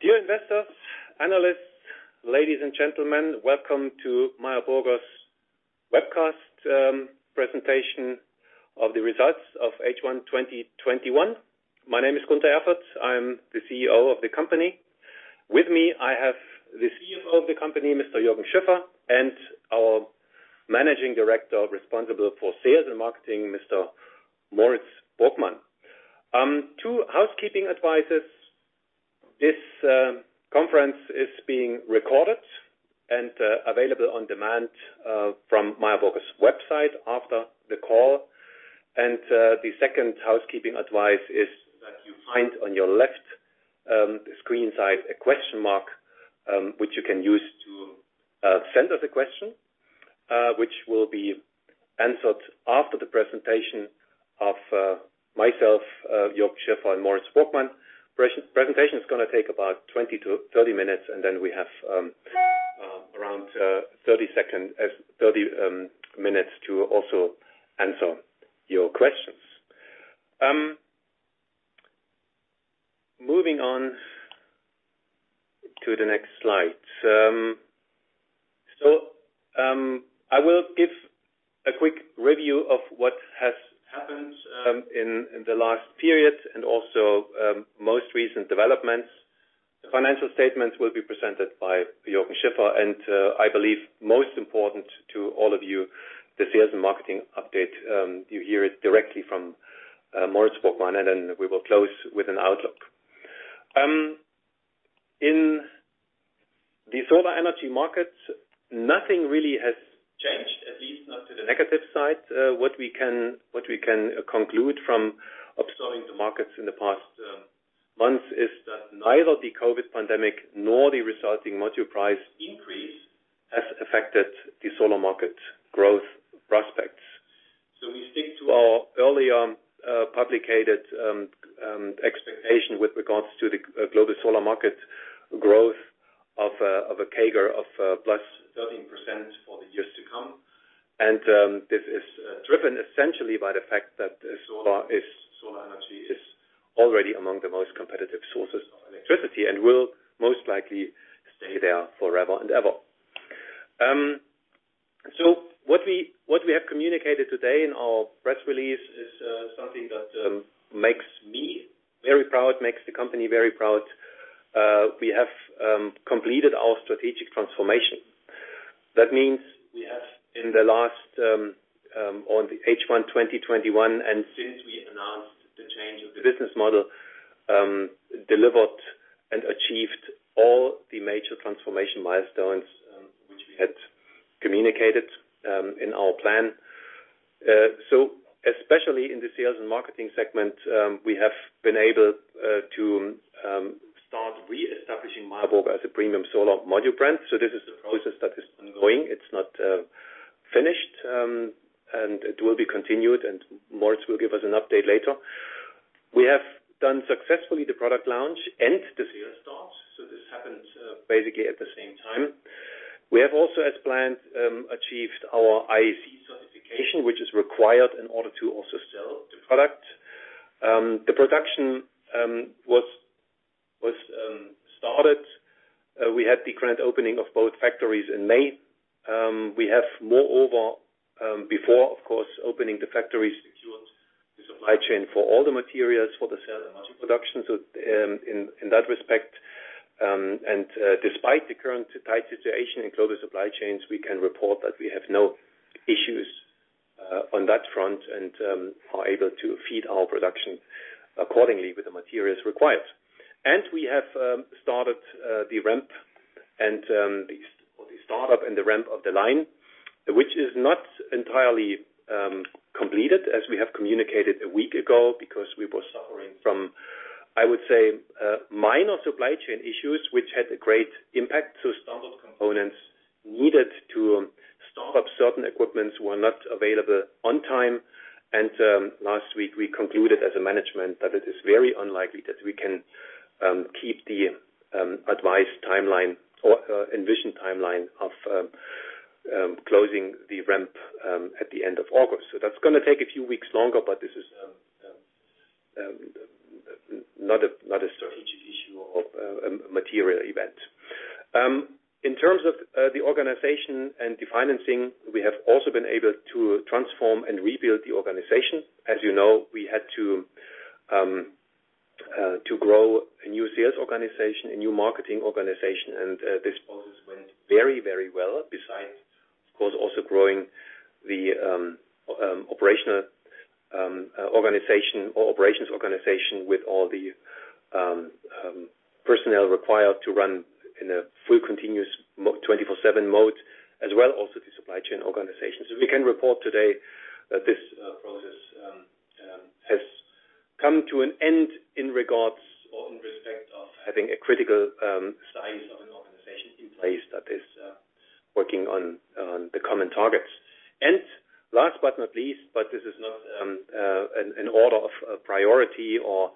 Dear investors, analysts, ladies and gentlemen, welcome to Meyer Burger's webcast presentation of the results of H1 2021. My name is Gunter Erfurt. I'm the CEO of the company. With me, I have the CFO of the company, Mr. Jürgen Schiffer, and our Managing Director responsible for sales and marketing, Mr. Moritz Borgmann. Two housekeeping advices, this conference is being recorded and available on demand from Meyer Burger's website after the call. The second housekeeping advice is that you find on your left screen side a question mark, which you can use to send us a question, which will be answered after the presentation of myself, Jürgen Schiffer, and Moritz Borgmann. Presentation is going to take about 20 to 30 minutes, and then we have around 30 minutes to also answer your questions. Moving on to the next slide. I will give a quick review of what has happened in the last period and also most recent developments. The financial statements will be presented by Jürgen Schiffer, and I believe most important to all of you, the sales and marketing update. You hear it directly from Moritz Borgmann, and then we will close with an outlook. In the solar energy market, nothing really has changed, at least not to the negative side. What we can conclude from observing the markets in the past months is that neither the COVID pandemic nor the resulting module price increase has affected the solar market growth prospects. We stick to our early on publication expectation with regards to the global solar market growth of a CAGR of plus 13% for the years to come. This is driven essentially by the fact that solar energy is already among the most competitive sources of electricity and will most likely stay there forever and ever. What we have communicated today in our press release is something that makes me very proud, makes the company very proud. We have completed our strategic transformation. That means we have in the last, on the H1 2021, and since we announced the change of the business model, delivered and achieved all the major transformation milestones, which we had communicated in our plan. Especially in the sales and marketing segment, we have been able to start reestablishing Meyer Burger as a premium solar module brand. This is a process that is ongoing. It's not finished, and it will be continued, and Moritz will give us an update later. We have done successfully the product launch and the sales start. This happens basically at the same time. We have also, as planned, achieved our IEC certification, which is required in order to also sell the product. The production was started. We had the grand opening of both factories in May. We have, moreover, before, of course, opening the factories, secured the supply chain for all the materials for the sale and module production. In that respect, and despite the current tight situation in global supply chains, we can report that we have no issues on that front and are able to feed our production accordingly with the materials required. We have started the ramp and the startup and the ramp of the line, which is not entirely completed, as we have communicated a week ago because we were suffering from, I would say, minor supply chain issues, which had a great impact to some of the components needed to stock up certain equipments were not available on time. Last week, we concluded as a management that it is very unlikely that we can keep the advised timeline or envisioned timeline of closing the ramp at the end of August. That's going to take a few weeks longer, but this is not a strategic issue or a material event. In terms of the organization and the financing, we have also been able to transform and rebuild the organization. As you know, we had to grow a new sales organization, a new marketing organization, and this process went very, very well. Besides, of course, also growing the operations organization with all the personnel required to run in a full continuous 24/7 mode, as well also the supply chain organization. We can report today that this process has come to an end in regards or in respect of having a critical size of an organization in place that is working on the common targets. Last but not least, but this is not an order of priority or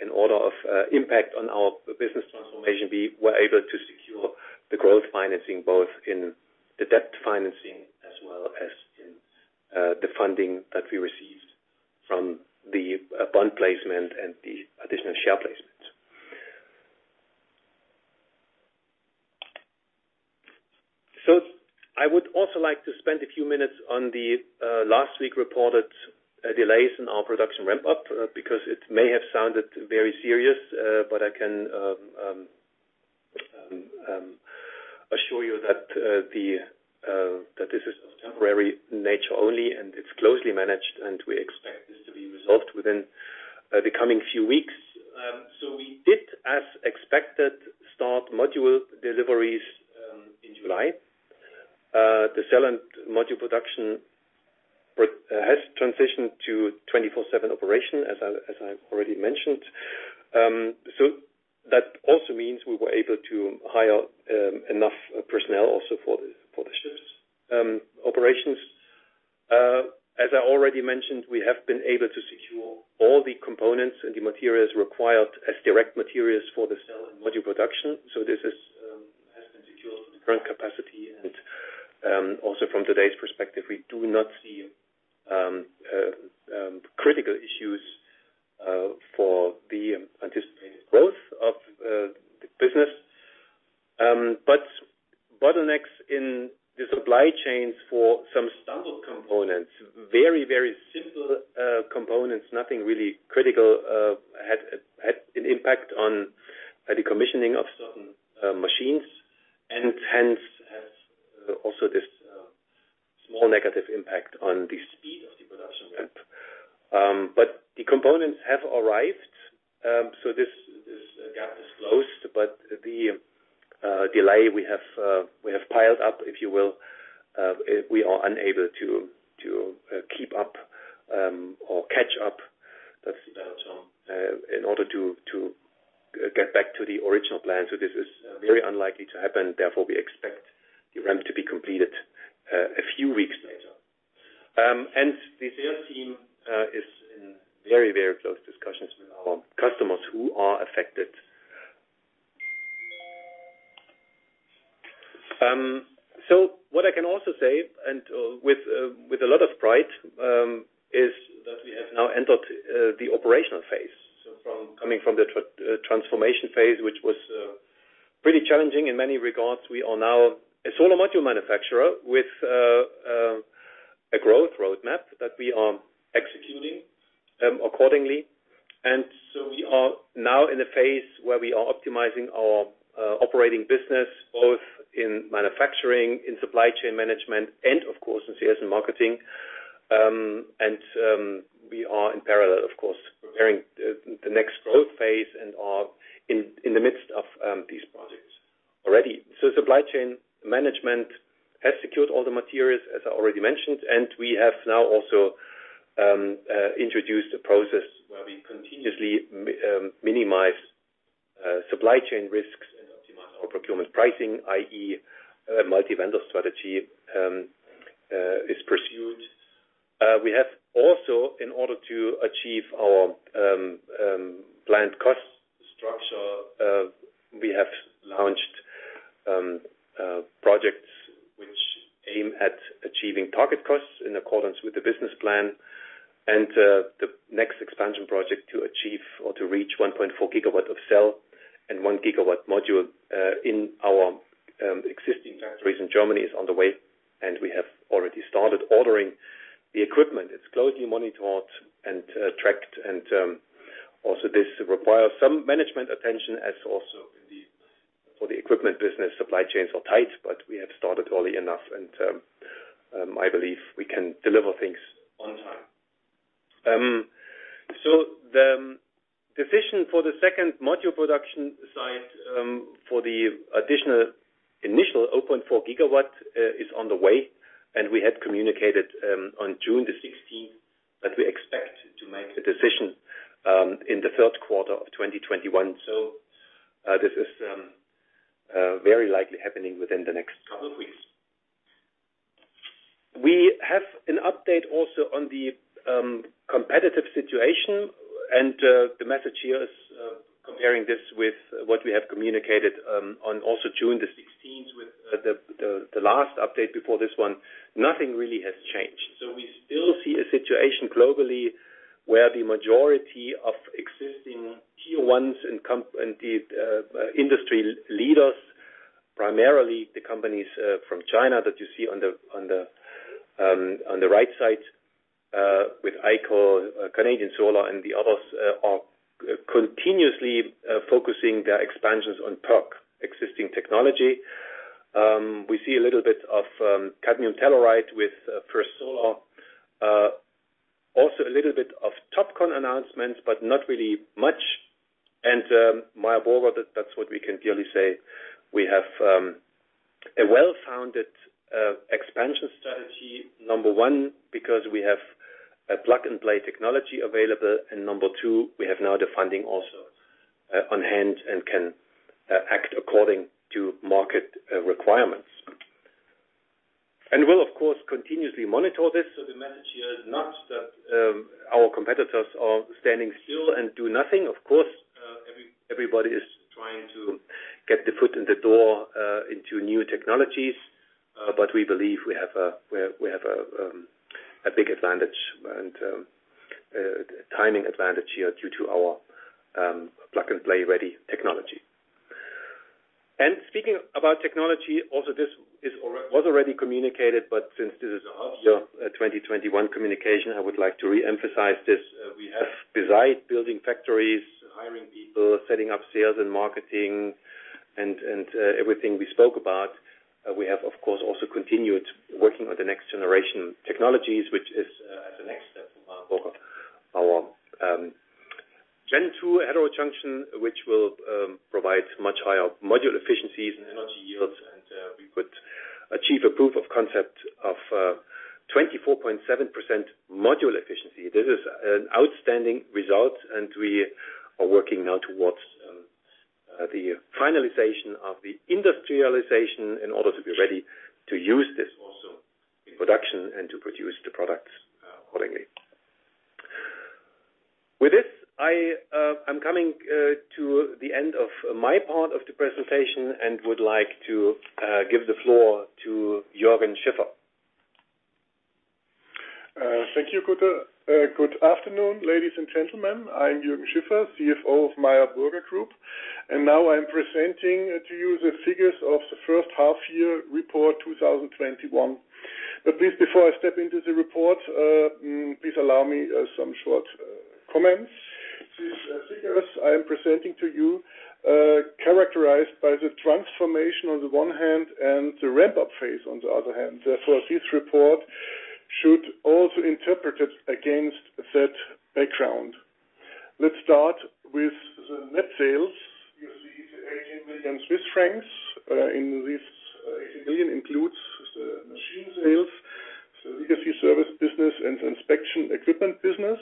an order of impact on our business transformation, we were able to secure financing both in the debt financing as well as in the funding that we received from the bond placement and the additional share placements. I would also like to spend a few minutes on the last week reported delays in our production ramp-up, because it may have sounded very serious, but I can assure you that this is of temporary nature only, and it's closely managed, and we expect this to be resolved within the coming few weeks. We did, as expected, start module deliveries in July. The cell and module production has transitioned to 24/7 operation, as I already mentioned. That also means we were able to hire enough personnel also for the shifts operations. As I already mentioned, we have been able to secure all the components and the materials required as direct materials for the cell and module production. This has been secured for the current capacity and, also from today's perspective, we do not see critical issues for the anticipated growth of the business. Bottlenecks in the supply chains for some standard components, very simple components, nothing really critical, had an impact on the commissioning of certain machines, and hence has also this small negative impact on the speed of the production ramp. The components have arrived, so this gap is closed. The delay we have piled up, if you will, we are unable to keep up or catch up in order to get back to the original plan. This is very unlikely to happen. Therefore, we expect the ramp to be completed a few weeks later. The sales team is in very close discussions with our customers who are affected. What I can also say, and with a lot of pride, is that we have now entered the operational phase. Coming from the transformation phase, which was pretty challenging in many regards. We are now a solar module manufacturer with a growth roadmap that we are executing accordingly. We are now in a phase where we are optimizing our operating business, both in manufacturing, in supply chain management, and of course, in sales and marketing. We are in parallel, of course, preparing the next growth phase and are in the midst of these projects already. Supply chain management has secured all the materials, as I already mentioned, and we have now also introduced a process where we continuously minimize supply chain risks and optimize our procurement pricing, i.e., multi-vendor strategy is pursued. We have also, in order to achieve our planned cost structure, we have launched projects which aim at achieving target costs in accordance with the business plan and the next expansion project to achieve or to reach 1.4 GW of cell and 1 GW module in our existing factories in Germany is on the way, and we have already started ordering the equipment. It's closely monitored and tracked, and also this requires some management attention, as also for the equipment business supply chains are tight, but we have started early enough and I believe we can deliver things on time. The decision for the second module production site for the additional initial 0.4 GW is on the way, and we had communicated on June 16th that we expect to make a decision in Q3 2021. This is very likely happening within the next couple of weeks. We have an update also on the competitive situation, and the message here is comparing this with what we have communicated on also June the 16th with the last update before this one. Nothing really has changed. We still see a situation globally where the majority of existing tier ones and the industry leaders, primarily the companies from China that you see on the right side, with Aiko Solar, Canadian Solar, and the others are continuously focusing their expansions on PERC existing technology. We see a little bit of cadmium telluride with First Solar. Also a little bit of TOPCon announcements, but not really much. Meyer Burger, that's what we can clearly say. We have a well-founded expansion strategy, number one, because we have a plug-and-play technology available. Number two, we have now the funding also on hand and can act according to market requirements. We'll, of course, continuously monitor this. The message here is not that our competitors are standing still and do nothing. Of course, everybody is trying to get their foot in the door into new technologies. We believe we have a big advantage and a timing advantage here due to our plug-and-play ready technology. Speaking about technology, also this was already communicated, but since this is a half year 2021 communication, I would like to re-emphasize this. We have, besides building factories, hiring people, setting up sales and marketing, and everything we spoke about, we have, of course, also continued working on the next generation technologies, which is the next step for Meyer Burger. Our Gen 2 heterojunction, which will provide much higher module efficiencies and energy yields, and we could achieve a proof of concept of 24.7% module efficiency. This is an outstanding result, and we are working now towards the finalization of the industrialization in order to be ready to use this also in production and to produce the products accordingly. With this, I'm coming to the end of my part of the presentation and would like to give the floor to Jürgen Schiffer. Thank you, Gunter. Good afternoon, ladies and gentlemen. I am Jürgen Schiffer, CFO of Meyer Burger Group. Now I'm presenting to you the figures of the first half year report 2021. Please, before I step into the report, please allow me some short comments. These figures I am presenting to you are characterized by the transformation on the one hand and the ramp-up phase on the other hand. Therefore, this report should also be interpreted against that background. Let's start with the net sales. You see CHF 18 million. In this, 18 million includes the machine sales, the legacy service business, and inspection equipment business.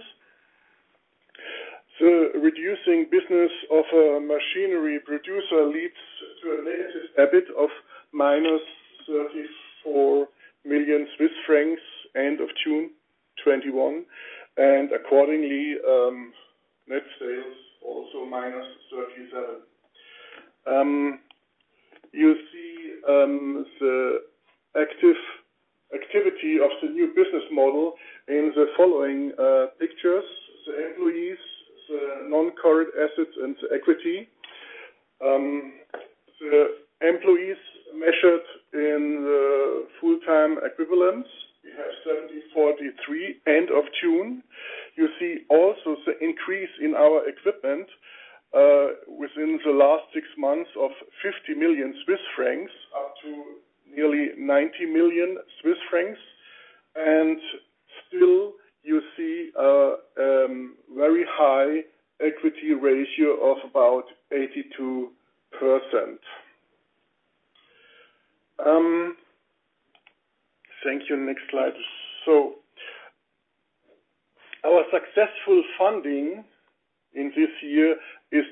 The reducing business of a machinery producer leads to a negative EBIT of minus 34 million Swiss francs end of June 2021, and accordingly, net sales also minus 37 million. You see the activity of the new business model in the following pictures. The employees, the non-current assets, and the equity. The employees measured in the full-time equivalents, we have 70.43 end of June. You see also the increase in our equipment within the last six months of 50 million Swiss francs, up to nearly 90 million Swiss francs. Still, you see a very high equity ratio of about 82%. Thank you. Next slide. Our successful funding in this year is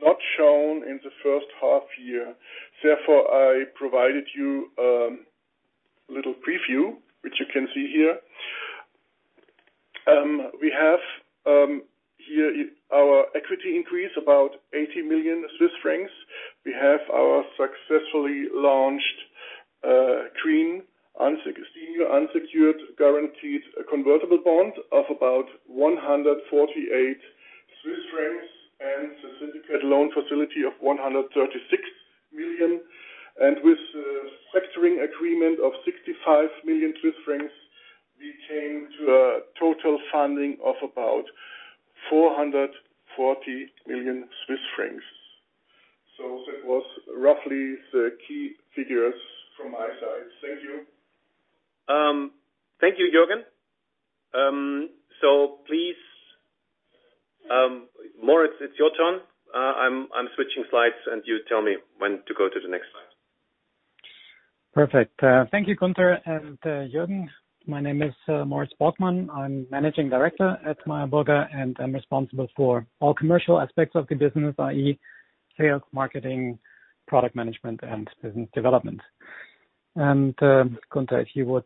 not shown in the first half year. Therefore, I provided you a little preview, which you can see here. We have here our equity increase, about 80 million Swiss francs. We have our successfully launched green, senior unsecured guaranteed convertible bond of about 148 Swiss francs and the syndicate loan facility of 136 million. With the factoring agreement of 65 million Swiss francs, we came to a total funding of about 440 million Swiss francs. That was roughly the key figures from my side. Thank you. Thank you, Jürgen. Please, Moritz, it's your turn. I'm switching slides, and you tell me when to go to the next slide. Perfect. Thank you, Gunter and Jürgen. My name is Moritz Borgmann. I'm Managing Director at Meyer Burger, and I'm responsible for all commercial aspects of the business, i.e., sales, marketing, product management, and business development. Gunter, if you would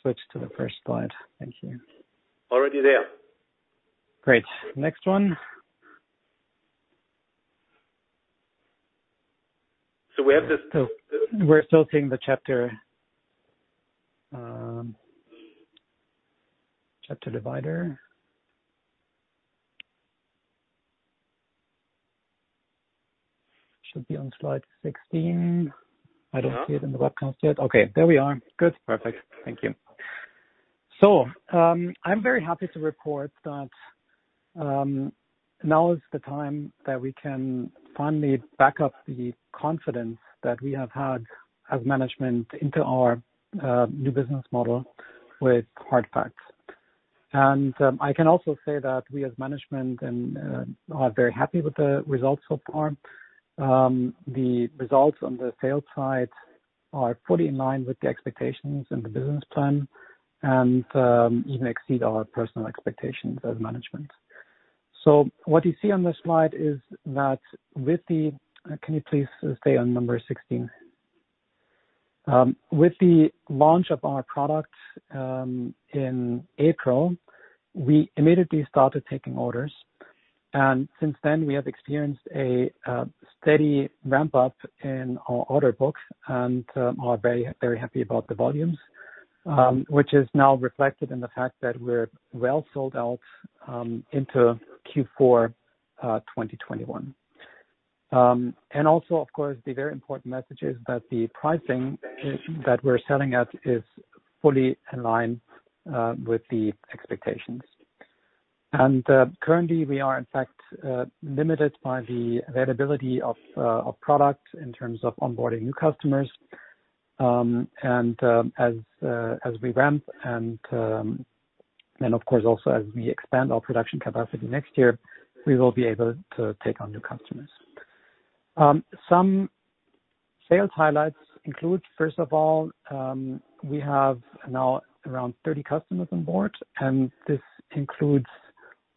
switch to the first slide. Thank you. Already there. Great. Next one. So we have this- We're still seeing the chapter divider. Should be on slide 16. I don't see it in the webcast yet. There we are. Good. Perfect. Thank you. I'm very happy to report that now is the time that we can finally back up the confidence that we have had as management into our new business model with hard facts. I can also say that we, as management, are very happy with the results so far. The results on the sales side are fully in line with the expectations and the business plan and even exceed our personal expectations as management. Can you please stay on number 16? With the launch of our product in April, we immediately started taking orders. Since then, we have experienced a steady ramp-up in our order books and are very happy about the volumes, which is now reflected in the fact that we're well sold out into Q4 2021. Also, of course, the very important message is that the pricing that we're selling at is fully in line with the expectations. Currently, we are in fact limited by the availability of product in terms of onboarding new customers, and as we ramp and of course also as we expand our production capacity next year, we will be able to take on new customers. Some sales highlights include, first of all, we have now around 30 customers on board. This includes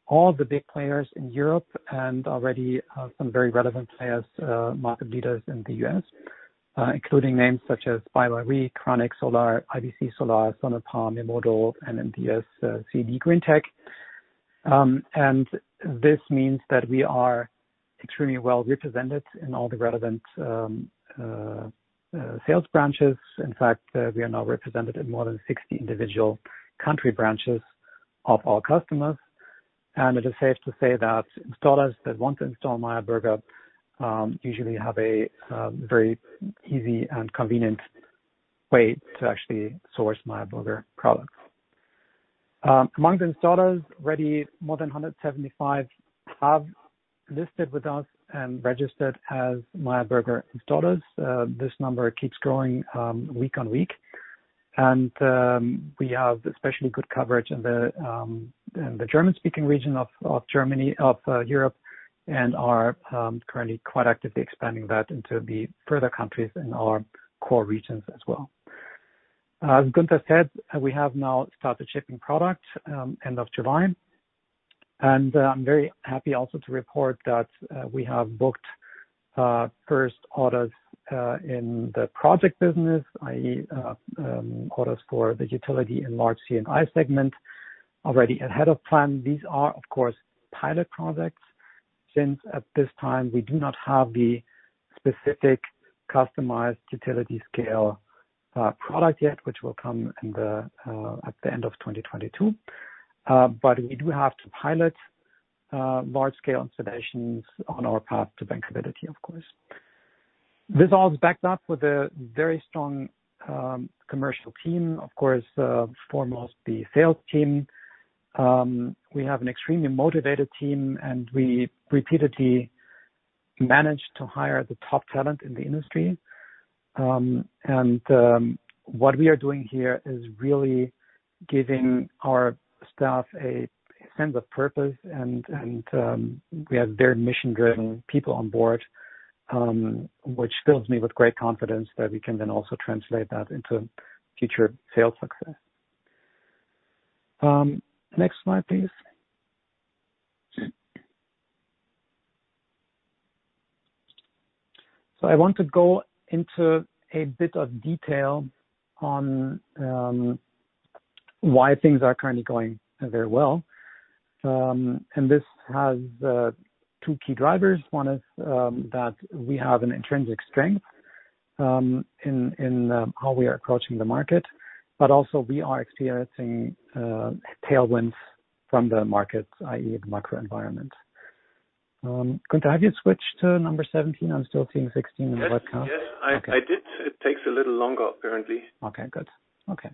all the big players in Europe and already some very relevant players, market leaders in the U.S., including names such as BayWa r.e., Krannich Solar, IBC Solar, Sonnenstromfabrik, Memodo, and Greentech Renewables. This means that we are extremely well represented in all the relevant sales branches. In fact, we are now represented in more than 60 individual country branches of our customers. It is safe to say that installers that want to install Meyer Burger usually have a very easy and convenient way to actually source Meyer Burger products. Among the installers, already more than 175 have listed with us and registered as Meyer Burger installers. This number keeps growing week on week. We have especially good coverage in the German-speaking region of Europe and are currently quite actively expanding that into the further countries in our core regions as well. As Gunter said, we have now started shipping product end of July, and I am very happy also to report that we have booked first orders in the project business, i.e., orders for the utility and large C&I segment already ahead of plan. These are, of course, pilot projects, since at this time we do not have the specific customized utility scale product yet, which will come at the end of 2022. We do have to pilot large scale installations on our path to bankability, of course. This all is backed up with a very strong commercial team, of course, foremost the sales team. We have an extremely motivated team, and we repeatedly managed to hire the top talent in the industry. What we are doing here is really giving our staff a sense of purpose and we have very mission-driven people on board, which fills me with great confidence that we can then also translate that into future sales success. Next slide, please. I want to go into a bit of detail on why things are currently going very well. This has two key drivers. One is that we have an intrinsic strength in how we are approaching the market, but also we are experiencing tailwinds from the markets, i.e., the macro environment. Gunter, have you switched to number 17? I'm still seeing 16 on the webcast. Yes, I did. It takes a little longer, apparently. Okay, good. Okay.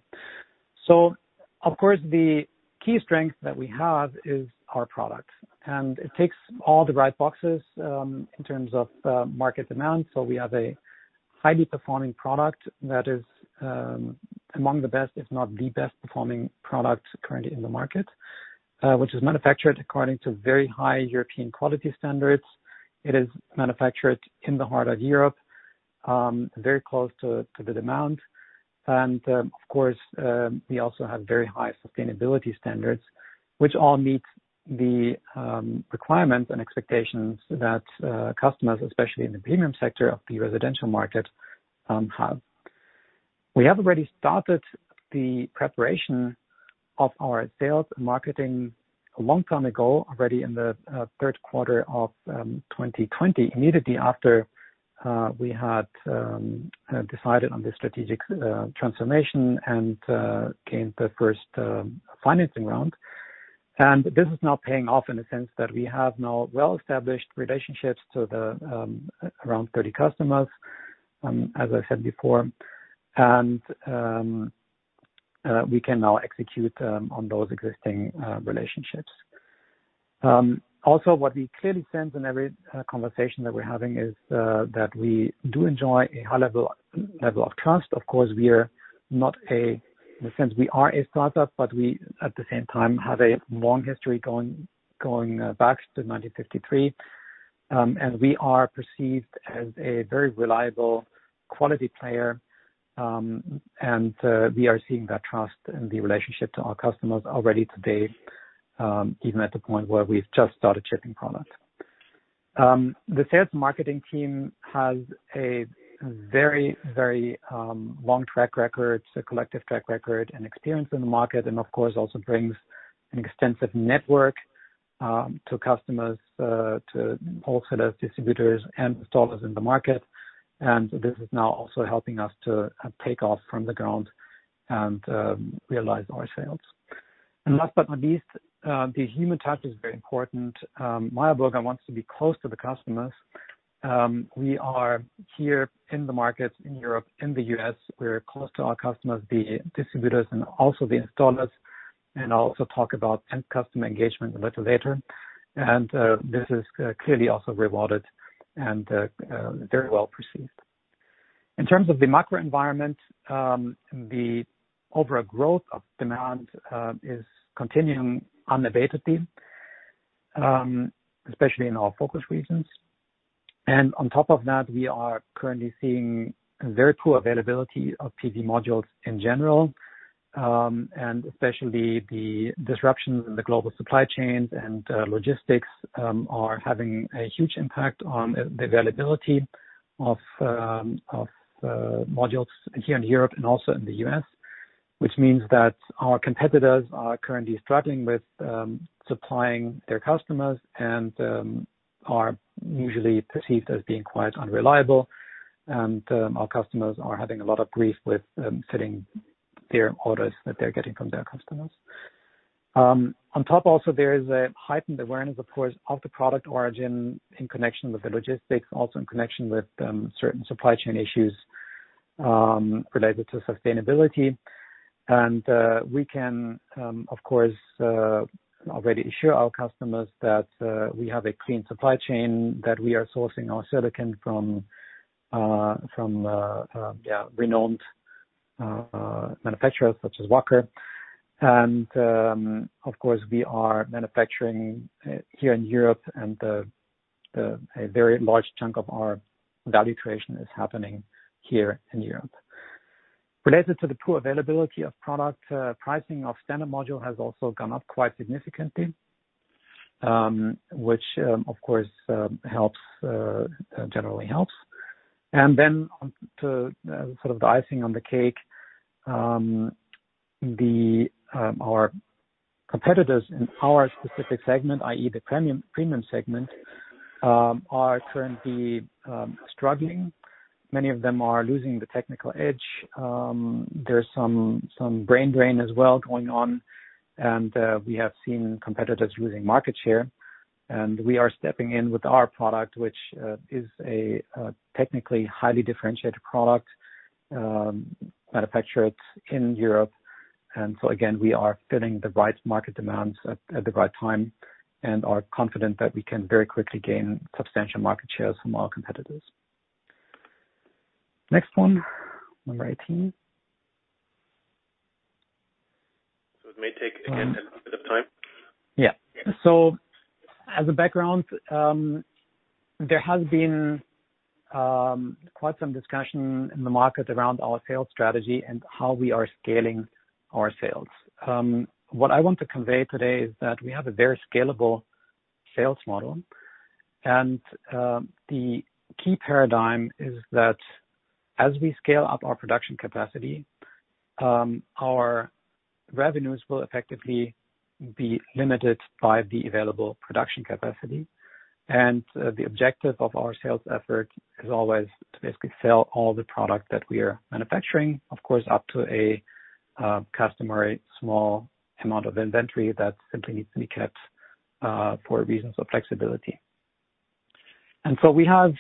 The key strength that we have is our product. It ticks all the right boxes in terms of market demand. We have a highly performing product that is among the best, if not the best performing product currently in the market, which is manufactured according to very high European quality standards. It is manufactured in the heart of Europe, very close to the demand. Of course, we also have very high sustainability standards, which all meets the requirements and expectations that customers, especially in the premium sector of the residential market, have. We have already started the preparation of our sales and marketing a long time ago, already in the third quarter of 2020, immediately after we had decided on the strategic transformation and came the first financing round. This is now paying off in the sense that we have now well-established relationships to the around 30 customers, as I said before, and we can now execute on those existing relationships. Also, what we clearly sense in every conversation that we're having is that we do enjoy a high level of trust. Of course, in a sense, we are a startup, but we, at the same time, have a long history going back to 1953. We are perceived as a very reliable quality player, and we are seeing that trust in the relationship to our customers already today, even at the point where we've just started shipping product. The sales marketing team has a very long track record, a collective track record, and experience in the market, and, of course, also brings an extensive network to customers, to wholesale distributors, and installers in the market. This is now also helping us to take off from the ground and realize our sales. Last but not least, the human touch is very important. Meyer Burger wants to be close to the customers. We are here in the markets in Europe, in the U.S., we're close to our customers, the distributors, and also the installers, and I'll also talk about end customer engagement a little later. This is clearly also rewarded and very well perceived. In terms of the macro environment, the overall growth of demand is continuing unabatedly, especially in our focus regions. On top of that, we are currently seeing very poor availability of PV modules in general, and especially the disruptions in the global supply chains and logistics are having a huge impact on the availability of modules here in Europe and also in the U.S., which means that our competitors are currently struggling with supplying their customers and are usually perceived as being quite unreliable. Our customers are having a lot of grief with fitting their orders that they're getting from their customers. On top, also, there is a heightened awareness, of course, of the product origin in connection with the logistics, also in connection with certain supply chain issues related to sustainability. We can, of course, already assure our customers that we have a clean supply chain, that we are sourcing our silicon from renowned manufacturers such as Wacker. Of course, we are manufacturing here in Europe and a very large chunk of our value creation is happening here in Europe. Related to the poor availability of product, pricing of standard module has also gone up quite significantly, which, of course, generally helps. Then the sort of the icing on the cake, our competitors in our specific segment, i.e., the premium segment, are currently struggling. Many of them are losing the technical edge. There's some brain drain as well going on, and we have seen competitors losing market share, and we are stepping in with our product, which is a technically highly differentiated product, manufactured in Europe. So again, we are filling the right market demands at the right time and are confident that we can very quickly gain substantial market shares from our competitors. Next one, number 18. It may take, again, a bit of time. As a background, there has been quite some discussion in the market around our sales strategy and how we are scaling our sales. What I want to convey today is that we have a very scalable sales model. The key paradigm is that as we scale up our production capacity, our revenues will effectively be limited by the available production capacity. The objective of our sales effort is always to basically sell all the product that we are manufacturing, of course, up to a customary small amount of inventory that simply needs to be kept for reasons of flexibility. We have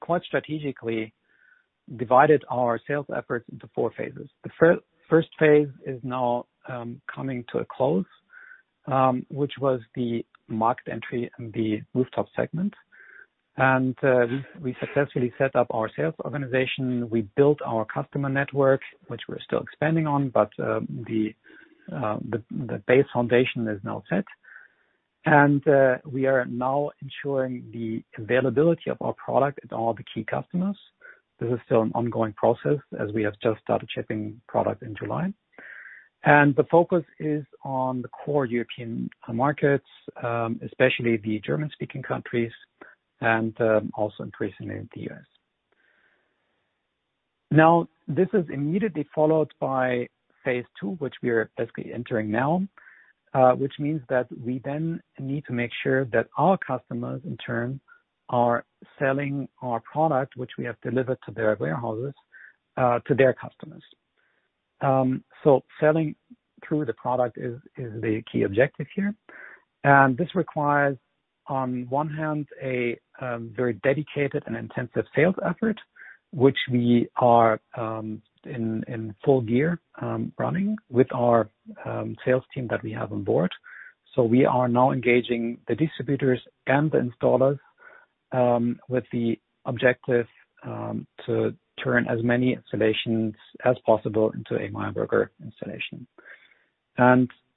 quite strategically divided our sales efforts into four phases. The first phase is now coming to a close, which was the market entry in the rooftop segment. We successfully set up our sales organization. We built our customer network, which we're still expanding on, but the base foundation is now set. We are now ensuring the availability of our product at all the key customers. This is still an ongoing process as we have just started shipping product in July. The focus is on the core European markets, especially the German-speaking countries and also increasingly in the U.S. This is immediately followed by phase II, which we are basically entering now, which means that we then need to make sure that our customers, in turn, are selling our product, which we have delivered to their warehouses, to their customers. Selling through the product is the key objective here. This requires, on one hand, a very dedicated and intensive sales effort, which we are in full gear running with our sales team that we have on board. We are now engaging the distributors and the installers, with the objective to turn as many installations as possible into a Meyer Burger installation.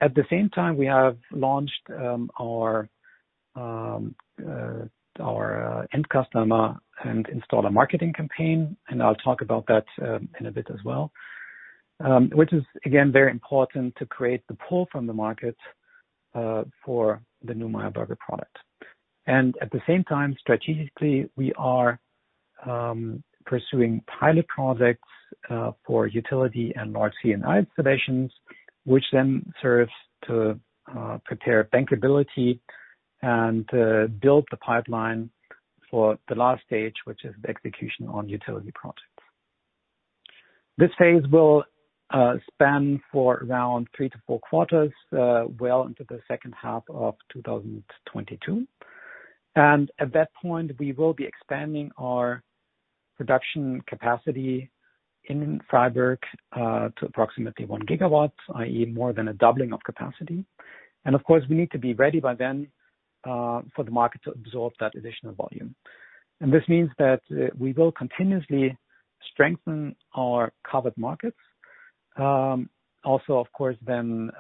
At the same time, we have launched our end customer and installer marketing campaign, and I'll talk about that in a bit as well, which is, again, very important to create the pull from the market for the new Meyer Burger product. At the same time, strategically, we are pursuing pilot projects for utility and large C&I installations, which then serves to prepare bankability and to build the pipeline for the last stage, which is the execution on utility projects. This phase will span for around three to four quarters, well into the second half of 2022. At that point, we will be expanding our production capacity in Freiburg to approximately 1 GW, i.e., more than a doubling of capacity. Of course, we need to be ready by then for the market to absorb that additional volume. This means that we will continuously strengthen our covered markets. Also, of course, then,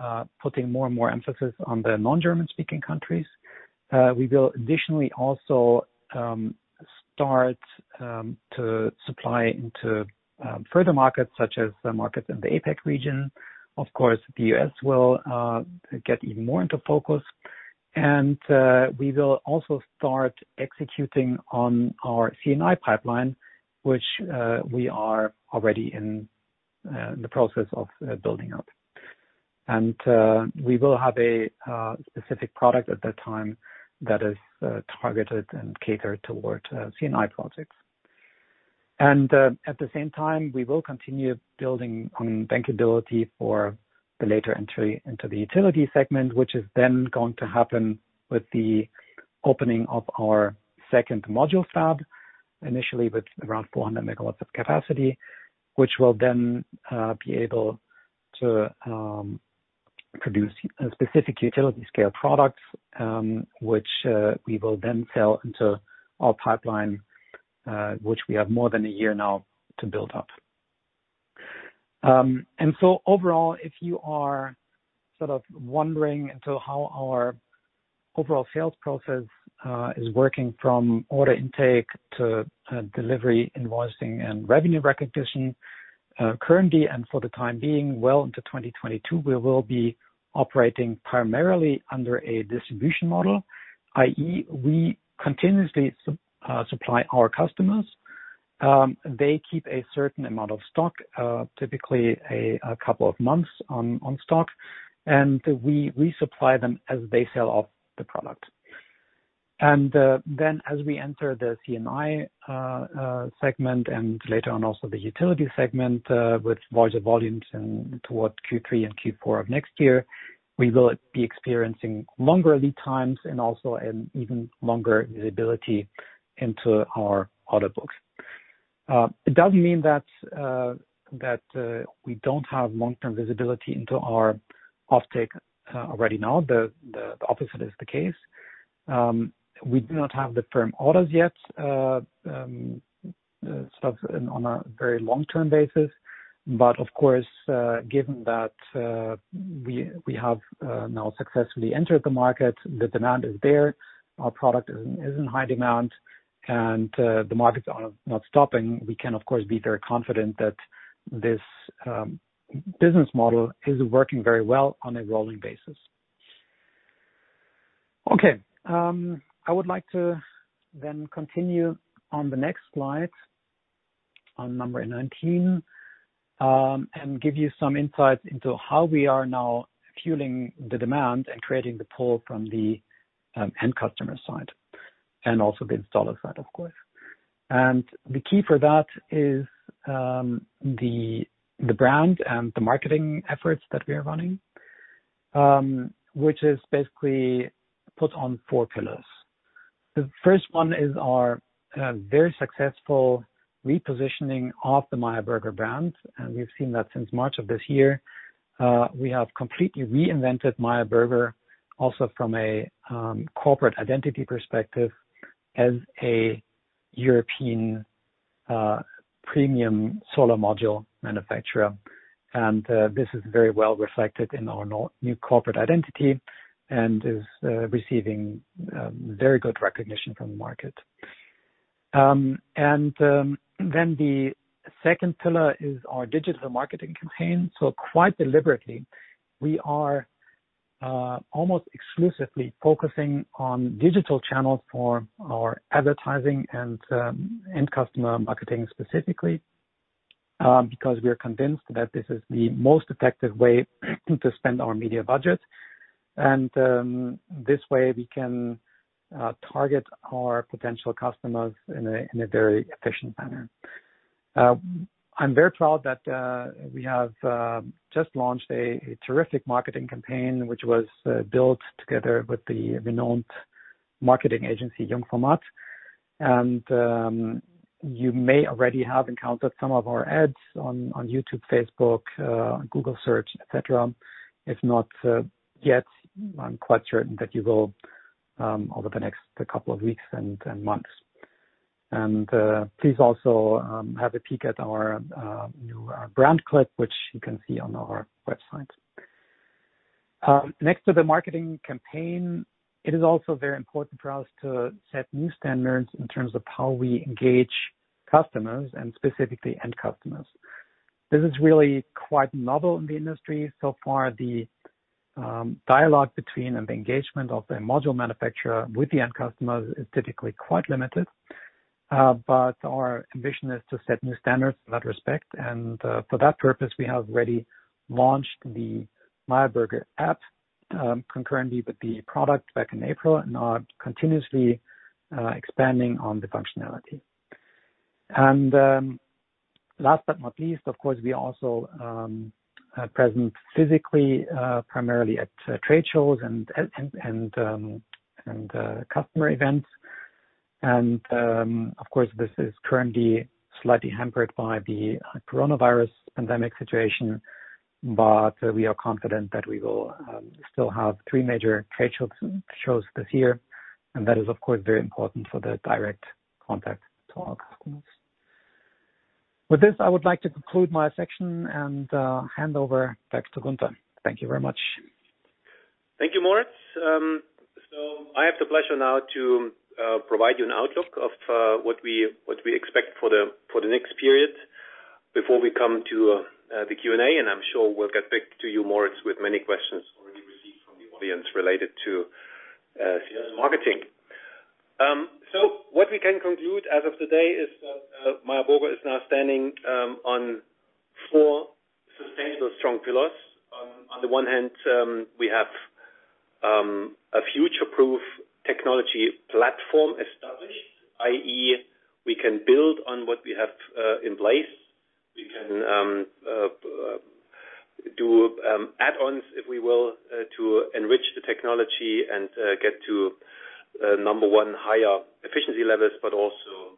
putting more and more emphasis on the non-German-speaking countries. We will additionally also start to supply into further markets, such as the markets in the APAC region. Of course, the U.S. will get even more into focus, and we will also start executing on our C&I pipeline, which we are already in the process of building up. We will have a specific product at that time that is targeted and catered towards C&I projects. At the same time, we will continue building on bankability for the later entry into the utility segment, which is then going to happen with the opening of our second module fab, initially with around 400 MW of capacity, which will then be able to produce specific utility-scale products, which we will then sell into our pipeline which we have more than a year now to build up. Overall, if you are wondering into how our overall sales process is working from order intake to delivery, invoicing, and revenue recognition. Currently, and for the time being, well into 2022, we will be operating primarily under a distribution model, i.e., we continuously supply our customers. They keep a certain amount of stock, typically a couple of months on stock, and we resupply them as they sell off the product. As we enter the C&I segment, and later on also the utility segment, with larger volumes in towards Q3 and Q4 of next year, we will be experiencing longer lead times and also an even longer visibility into our order books. It doesn't mean that we don't have long-term visibility into our offtake already now. The opposite is the case. We do not have the firm orders yet, stuff on a very long-term basis. Of course, given that we have now successfully entered the market, the demand is there, our product is in high demand, and the market's not stopping, we can, of course, be very confident that this business model is working very well on a rolling basis. I would like to then continue on the next slide, on number 19, and give you some insights into how we are now fueling the demand and creating the pull from the end customer side and also the installer side, of course. The key for that is the brand and the marketing efforts that we are running, which is basically put on four pillars. The first one is our very successful repositioning of the Meyer Burger brand, and we've seen that since March of this year. We have completely reinvented Meyer Burger, also from a corporate identity perspective, as a European premium solar module manufacturer. This is very well reflected in our new corporate identity and is receiving very good recognition from the market. The second pillar is our digital marketing campaign. Quite deliberately, we are almost exclusively focusing on digital channels for our advertising and end customer marketing specifically, because we are convinced that this is the most effective way to spend our media budget. This way we can target our potential customers in a very efficient manner. I'm very proud that we have just launched a terrific marketing campaign, which was built together with the renowned marketing agency, Jung von Matt. You may already have encountered some of our ads on YouTube, Facebook, Google Search, et cetera. If not yet, I'm quite certain that you will over the next couple of weeks and months. Please also have a peek at our new brand clip, which you can see on our website. Next to the marketing campaign, it is also very important for us to set new standards in terms of how we engage customers and specifically end customers. This is really quite novel in the industry. So far, the dialogue between and the engagement of the module manufacturer with the end customer is typically quite limited. Our ambition is to set new standards in that respect. For that purpose, we have already launched the Meyer Burger app concurrently with the product back in April and are continuously expanding on the functionality. Last but not least, of course, we also are present physically, primarily at trade shows and customer events. Of course, this is currently slightly hampered by the coronavirus pandemic situation. We are confident that we will still have three major trade shows this year, and that is of course very important for the direct contact to our customers. With this, I would like to conclude my section and hand over back to Gunter Erfurt. Thank you very much. Thank you, Moritz. I have the pleasure now to provide you an outlook of what we expect for the next period before we come to the Q&A, and I'm sure we'll get back to you, Moritz, with many questions already received from the audience related to sales and marketing. What we can conclude as of today is that Meyer Burger is now standing on four sustainable, strong pillars. On the one hand, we have a future-proof technology platform established, i.e., we can build on what we have in place. We can do add-ons, if we will, to enrich the technology and get to, number one, higher efficiency levels, but also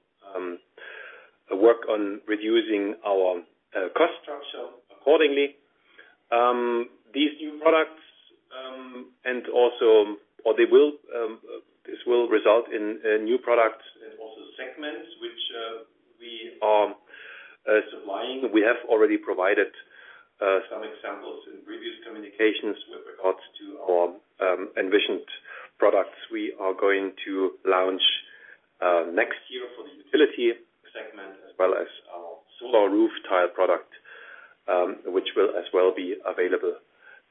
work on reducing our cost structure accordingly. This will result in new products and also segments, which we are supplying. We have already provided some examples in previous communications with regards to our envisioned products we are going to launch next year for the utility segment, as well as our solar roof tile product, which will as well be available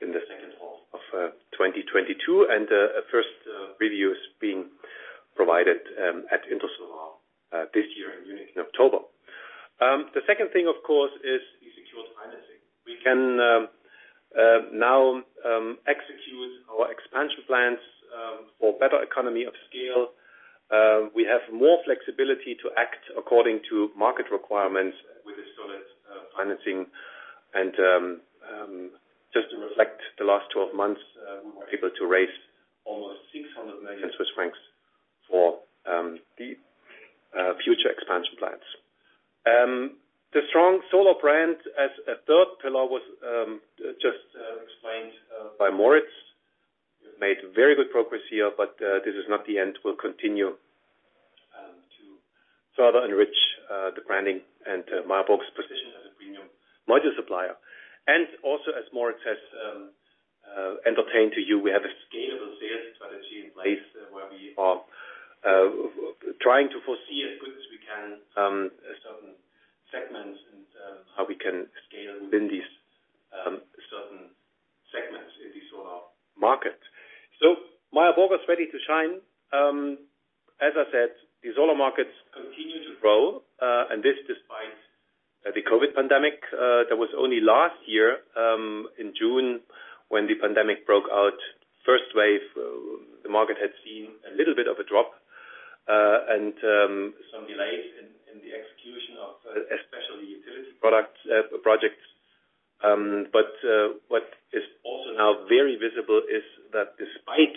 in the second half of 2022. A first preview is being provided at Intersolar this year in Munich in October. The second thing, of course, is the secured financing. We can now execute our expansion plans for better economy of scale. We have more flexibility to act according to market requirements with a solid financing. Just to reflect the last 12 months, we were able to raise almost 600 million Swiss francs for the future expansion plans. The strong solar brand as a third pillar was just explained by Moritz. We've made very good progress here, but this is not the end. We'll continue to further enrich the branding and Meyer Burger's position as a premium module supplier. As Moritz has entertained to you, we have a scalable sales strategy in place where we are trying to foresee as good as we can certain segments and how we can scale within these certain segments in the solar market. Meyer Burger is ready to shine. As I said, the solar markets continue to grow, and this despite the COVID pandemic. That was only last year in June when the pandemic broke out. First wave, the market had seen a little bit of a drop and some delays in the execution of especially utility projects. What is also now very visible is that despite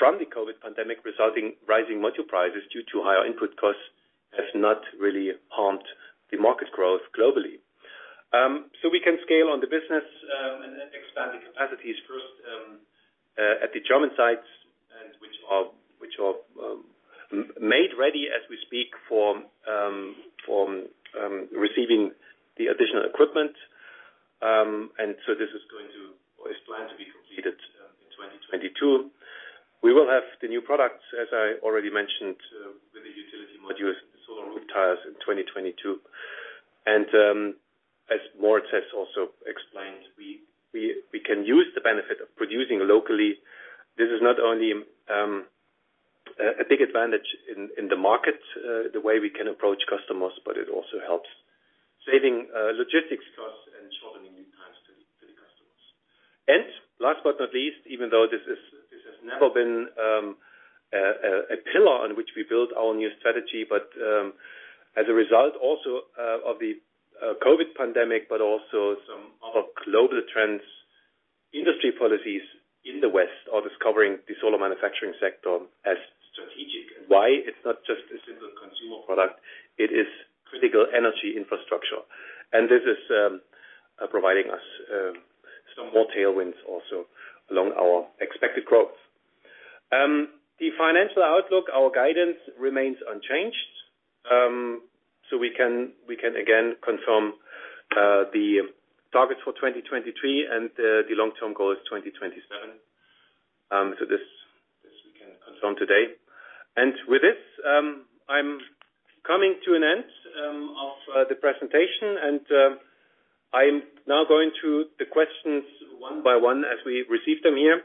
from the COVID pandemic resulting rising module prices due to higher input costs, has not really harmed the market growth globally. We can scale on the business and expand the capacities first at the German sites, and which are made ready as we speak for receiving the additional equipment. This is planned to be completed in 2022. We will have the new products, as I already mentioned, with the utility modules and the solar roof tiles in 2022. As Moritz has also explained, we can use the benefit of producing locally. This is not only a big advantage in the market the way we can approach customers, but it also helps saving logistics costs and shortening lead times to the customers. Last but not least, even though this has never been a pillar on which we built our new strategy, but as a result also of the COVID pandemic, but also some other global trends, industry policies in the West are discovering the solar manufacturing sector as strategic and why it's not just a simple consumer product, it is critical energy infrastructure. This is providing us some more tailwinds also along our expected growth. The financial outlook, our guidance remains unchanged. We can again confirm the targets for 2023 and the long-term goal is 2027. This we can confirm today. With this, I'm coming to an end of the presentation, and I'm now going through the questions one by one as we receive them here.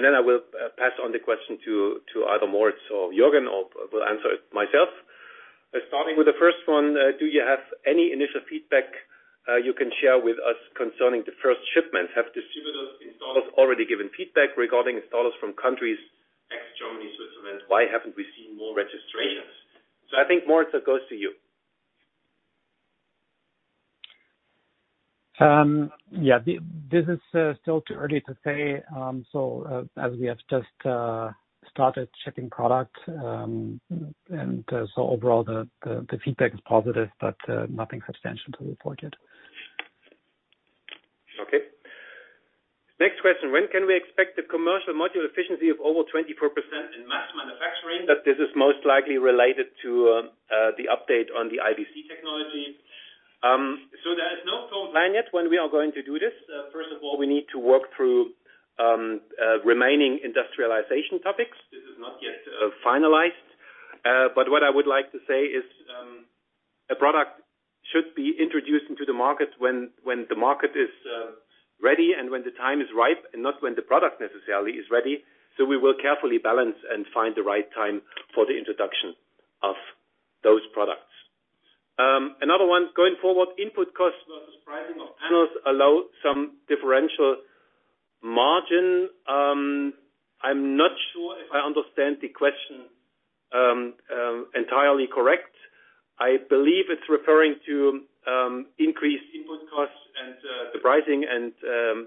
Then I will pass on the question to either Moritz or Jürgen, or will answer it myself. Starting with the first one, do you have any initial feedback you can share with us concerning the first shipment? Have distributors, installers already given feedback regarding installers from countries ex Germany, Switzerland? Why haven't we seen more registrations? I think, Moritz, that goes to you. Yeah. This is still too early to say, as we have just started shipping product. Overall, the feedback is positive, but nothing substantial to report yet. Next question, when can we expect the commercial module efficiency of over 24% in mass manufacturing? This is most likely related to the update on the IBC technology. There is no firm plan yet when we are going to do this. First of all, we need to work through remaining industrialization topics. This is not yet finalized. What I would like to say is, a product should be introduced into the market when the market is ready and when the time is ripe, and not when the product necessarily is ready. We will carefully balance and find the right time for the introduction of those products. Another one. Going forward, input costs versus pricing of panels allow some differential margin. I'm not sure if I understand the question entirely correct. I believe it's referring to increased input costs and the pricing and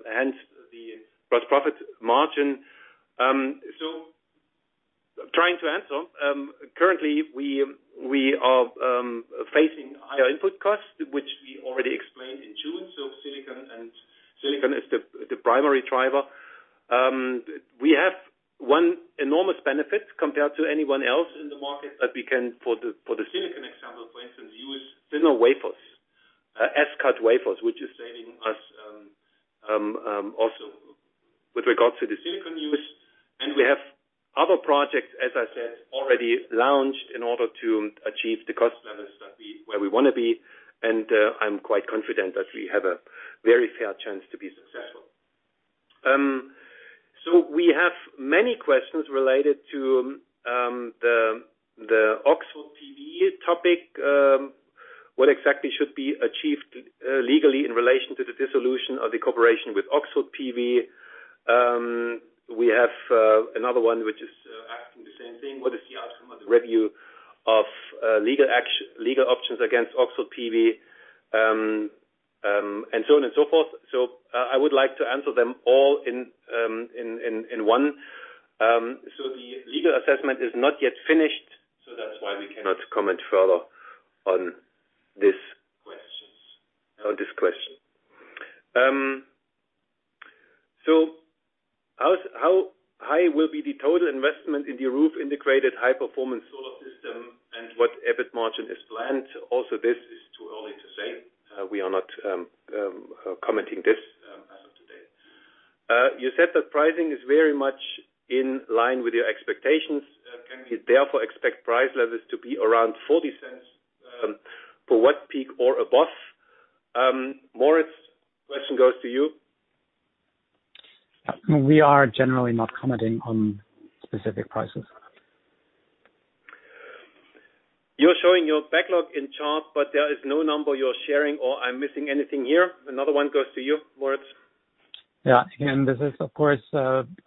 hence the gross profit margin. Trying to answer. Currently, we are facing higher input costs, which we already explained in June. Silicon is the primary driver. We have one enormous benefit compared to anyone else in the market that we can, for the silicon example, for instance, use thinner wafers, as-cut wafers, which is saving us also with regards to the silicon use. We have other projects, as I said, already launched in order to achieve the cost levels where we want to be. I'm quite confident that we have a very fair chance to be successful. We have many questions related to the Oxford PV topic. What exactly should be achieved legally in relation to the dissolution of the cooperation with Oxford PV? We have another one which is asking the same thing. What is the outcome of the review of legal options against Oxford PV, and so on and so forth. I would like to answer them all in one. The legal assessment is not yet finished, so that's why we cannot comment further on this question. How high will be the total investment in the roof integrated high performance solar system, and what EBIT margin is planned? Also, this is too early to say. We are not commenting this as of today. You said that pricing is very much in line with your expectations. Can we therefore expect price levels to be around 0.40 for watt peak or above? Moritz, question goes to you. We are generally not commenting on specific prices. You're showing your backlog in chart, but there is no number you're sharing, or I'm missing anything here? Another one goes to you, Moritz. Yeah. Again, this is of course,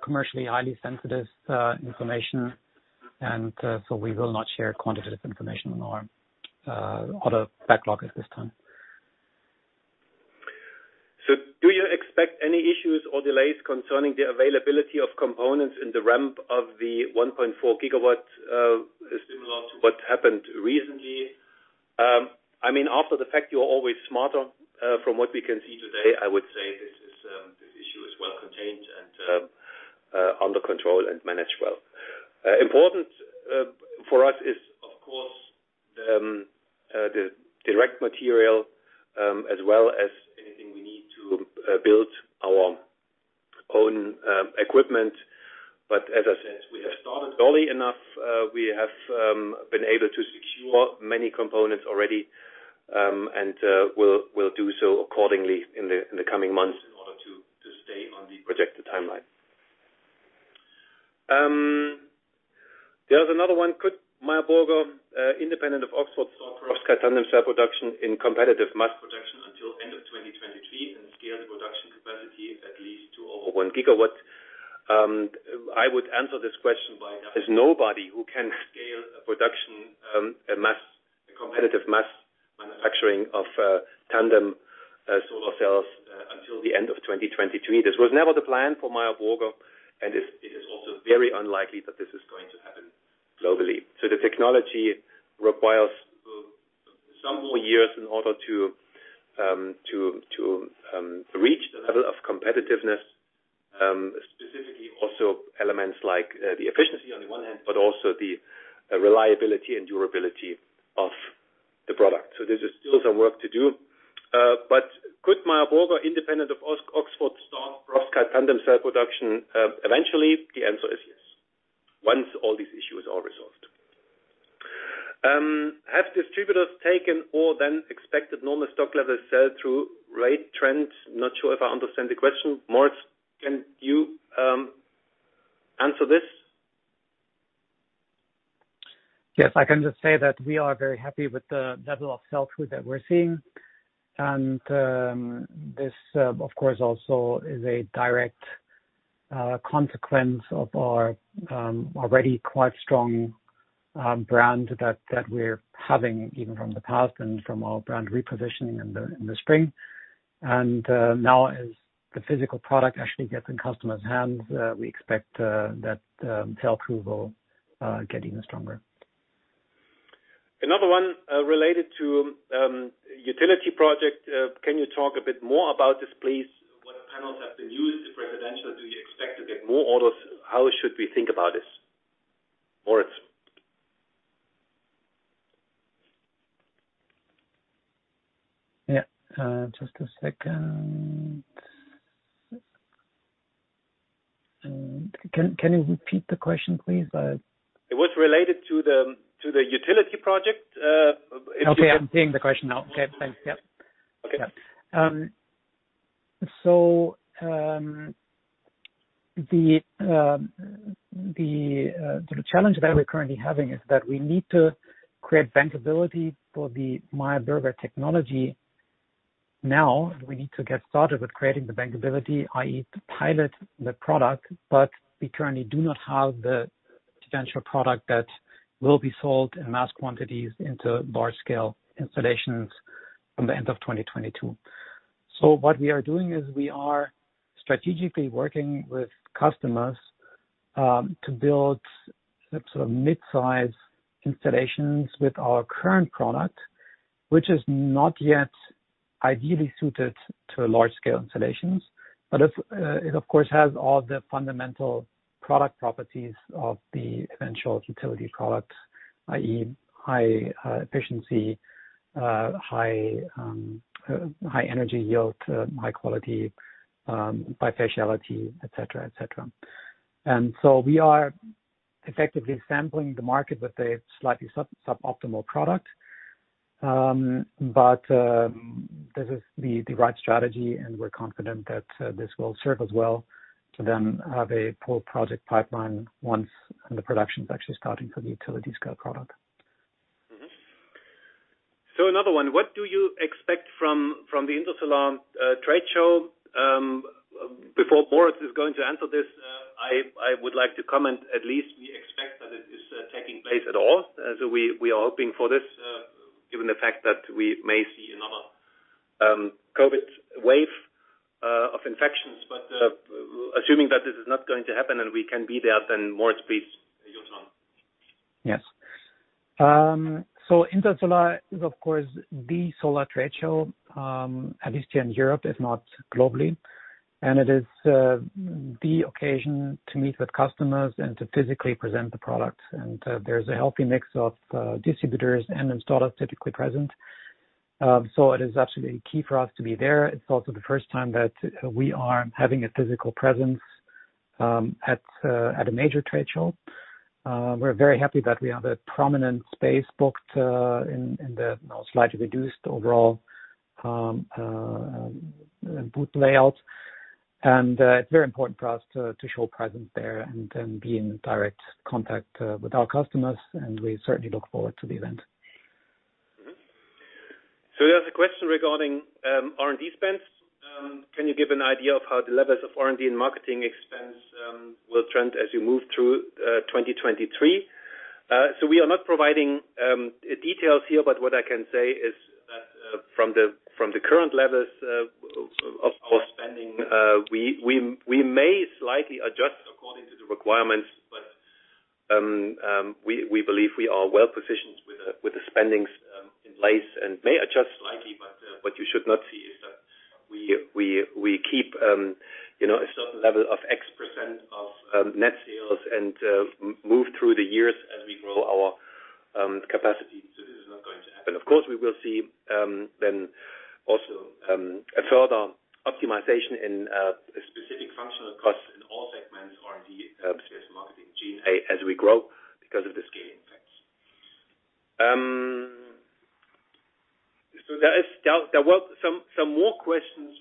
commercially highly sensitive information. We will not share quantitative information on our order backlogs at this time. Do you expect any issues or delays concerning the availability of components in the ramp of the 1.4 GW, similar to what happened recently? After the fact, you're always smarter. From what we can see today, I would say this issue is well contained and under control and managed well. Important for us is, of course, the direct material, as well as anything we need to build our own equipment. As I said, we have started early enough. We have been able to secure many components already, and we'll do so accordingly in the coming months in order to stay on the projected timeline. There's another one. Could Meyer Burger, independent of Oxford, start perovskite tandem cell production in competitive mass production until end of 2023 and scale the production capacity at least to over 1 GW? I would answer this question by there is nobody who can scale a production, a competitive mass manufacturing of tandem solar cells Till the end of 2023. This was never the plan for Meyer Burger, and it is also very unlikely that this is going to happen globally. The technology requires some more years in order to reach the level of competitiveness, specifically also elements like the efficiency on one hand, but also the reliability and durability of the product. There is still some work to do. Could Meyer Burger, independent of Oxford, start perovskite tandem cell production eventually? The answer is yes. Once all these issues are resolved. Have distributors taken other than expected normal stock level sell-through rate trends? Not sure if I understand the question. Moritz, can you answer this? Yes, I can just say that we are very happy with the level of sell-through that we're seeing. This, of course, also is a direct consequence of our already quite strong brand that we're having, even from the past and from our brand repositioning in the spring. Now as the physical product actually gets in customers' hands, we expect that sell-through will get even stronger. Another one related to utility project. Can you talk a bit more about this, please? What panels have been used? If residential, do you expect to get more orders? How should we think about this? Moritz. Yeah. Just a second. Can you repeat the question, please? It was related to the utility project. Okay, I'm seeing the question now. Okay, thanks. Yep. Okay. The challenge that we're currently having is that we need to create bankability for the Meyer Burger technology now. We need to get started with creating the bankability, i.e., to pilot the product, but we currently do not have the potential product that will be sold in mass quantities into large-scale installations from the end of 2022. What we are doing is we are strategically working with customers to build sort of mid-size installations with our current product, which is not yet ideally suited to large-scale installations. It, of course, has all the fundamental product properties of the eventual utility product, i.e., high efficiency, high energy yield, high quality, bifaciality, et cetera. We are effectively sampling the market with a slightly suboptimal product. This is the right strategy, and we're confident that this will serve us well to then have a full project pipeline once the production is actually starting for the utility scale product. Another one. What do you expect from the Intersolar trade show? Before Moritz is going to answer this, I would like to comment, at least we expect that it is taking place at all. We are hoping for this, given the fact that we may see another COVID wave of infections. Assuming that this is not going to happen and we can be there, then Moritz, please, your turn. Yes. Intersolar is, of course, the solar trade show, at least here in Europe, if not globally. It is the occasion to meet with customers and to physically present the products. There's a healthy mix of distributors and installers typically present. It is absolutely key for us to be there. It's also the first time that we are having a physical presence at a major trade show. We're very happy that we have a prominent space booked in the now slightly reduced overall booth layout. It's very important for us to show presence there and then be in direct contact with our customers, and we certainly look forward to the event. There's a question regarding R&D spends. Can you give an idea of how the levels of R&D and marketing expense will trend as you move through 2023? We are not providing details here, but what I can say is that from the current levels of our spending, we may slightly adjust according to the requirements, but we believe we are well positioned with the spendings in place and may adjust slightly, but what you should not see is that we keep a certain level of X% of net sales and move through the years as we grow our capacity. This is not going to happen. Of course, we will see then also a further optimization in specific functional costs in all segments, R&D, sales, marketing, G&A, as we grow because of the scaling effects. There were some more questions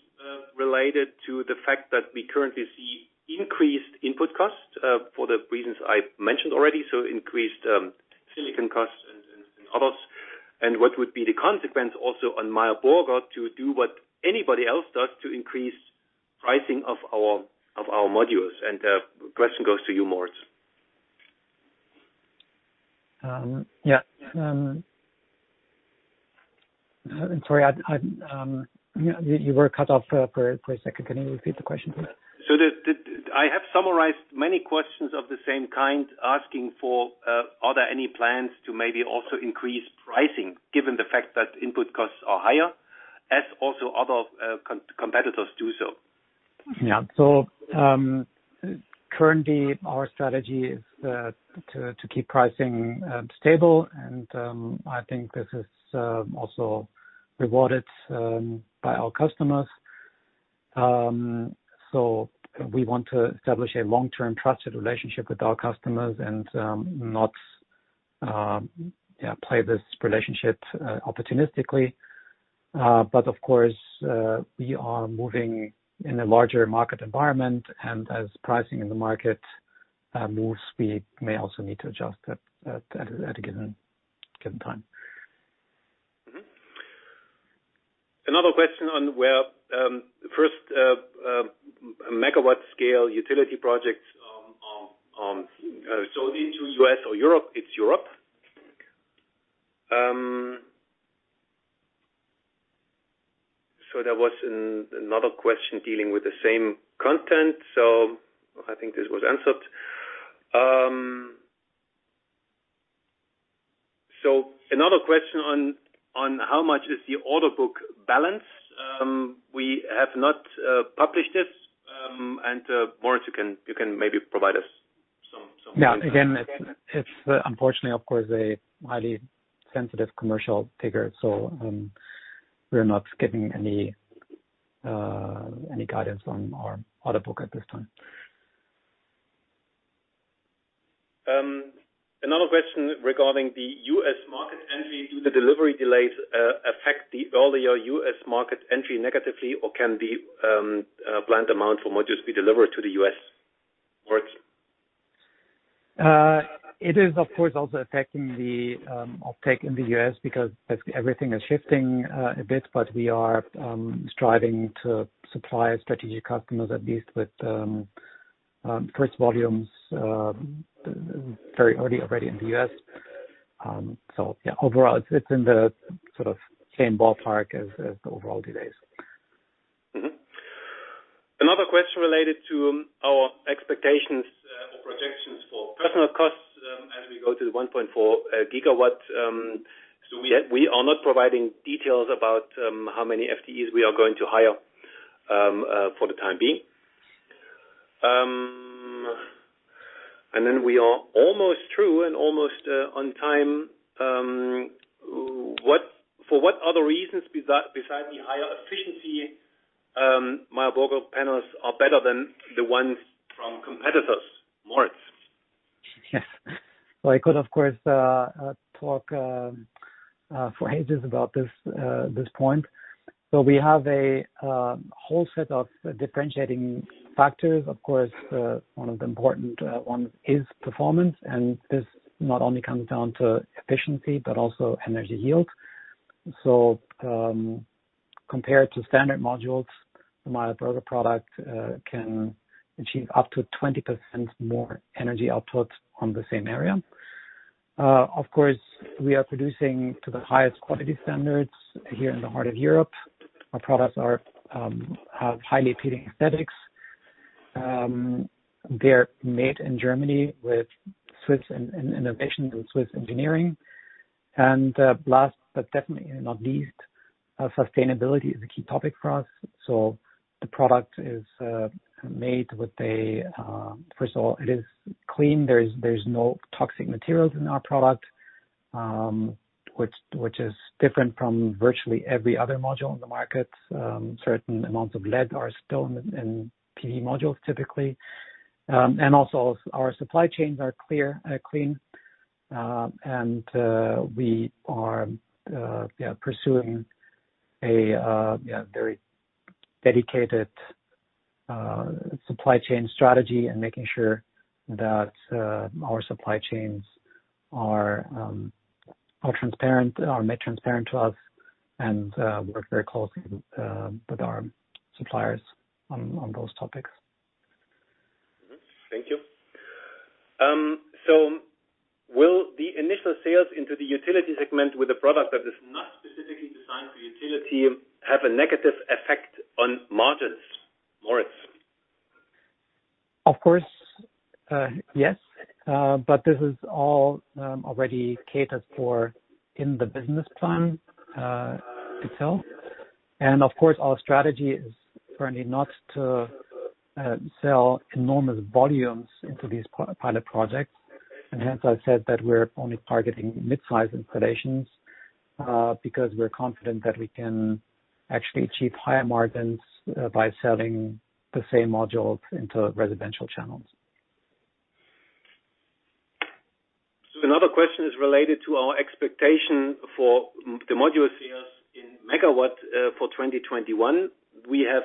related to the fact that we currently see increased input costs for the reasons I mentioned already, so increased silicon costs and others, and what would be the consequence also on Meyer Burger to do what anybody else does to increase pricing of our modules. The question goes to you, Moritz. Yeah. Sorry, you were cut off for a second. Can you repeat the question please? I have summarized many questions of the same kind, asking for, are there any plans to maybe also increase pricing given the fact that input costs are higher, as also other competitors do so? Currently our strategy is to keep pricing stable and, I think this is also rewarded by our customers. We want to establish a long-term trusted relationship with our customers and not play this relationship opportunistically. Of course, we are moving in a larger market environment and as pricing in the market moves, we may also need to adjust that at a given time. Another question on where first megawatt scale utility projects sold into U.S. or Europe. It's Europe. There was another question dealing with the same content, so I think this was answered. Another question on how much is the order book balance? We have not published it, and Moritz, you can maybe provide us some insight. Yeah. Again, it's unfortunately, of course, a highly sensitive commercial figure, so we're not giving any guidance on our order book at this time. Another question regarding the U.S. market entry. Do the delivery delays affect all of your U.S. market entry negatively, or can the planned amount for modules be delivered to the U.S.? Moritz. It is of course also affecting the uptake in the U.S. because everything is shifting a bit, but we are striving to supply strategic customers, at least with first volumes, very early already in the U.S. Overall it's in the same ballpark as the overall delays. Another question related to our expectations or projections for personal costs, as we go to the 1.4 GW. We are not providing details about how many FTEs we are going to hire for the time being. We are almost through and almost on time. For what other reasons besides the higher efficiency, Meyer Burger panels are better than the ones from competitors? Moritz. Yes. I could, of course, talk for ages about this point. We have a whole set of differentiating factors. Of course, one of the important one is performance, and this not only comes down to efficiency, but also energy yield. Compared to standard modules, the Meyer Burger product can achieve up to 20% more energy output on the same area. Of course, we are producing to the highest quality standards here in the heart of Europe. Our products have highly appealing aesthetics. They're made in Germany with Swiss innovation and Swiss engineering. Last, but definitely not least, sustainability is a key topic for us. The product is made with first of all, it is clean. There's no toxic materials in our product, which is different from virtually every other module in the market. Certain amounts of lead are still in PERC modules, typically. Also our supply chains are clean. We are pursuing a very dedicated supply chain strategy and making sure that our supply chains are made transparent to us, and work very closely with our suppliers on those topics. Thank you. Will the initial sales into the utility segment with a product that is not specifically designed for utility have a negative effect on margins? Moritz. Of course. Yes. This is all already catered for in the business plan itself. Of course, our strategy is currently not to sell enormous volumes into these pilot projects. Hence, I've said that we're only targeting mid-size installations, because we're confident that we can actually achieve higher margins by selling the same modules into residential channels. Another question is related to our expectation for the module sales in MW, for 2021. We have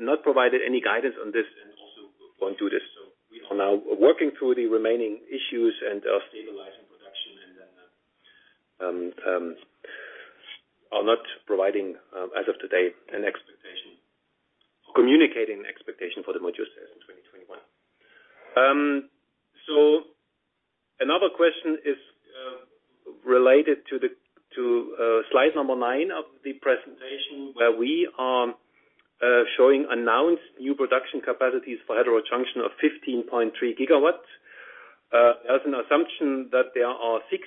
not provided any guidance on this and also won't do this. We are now working through the remaining issues and are stabilizing production and then are not providing, as of today, communicating expectation for the module sales in 2021. Another question is related to slide number nine of the presentation where we are showing announced new production capacities for heterojunction of 15.3 GW. There is an assumption that there are 65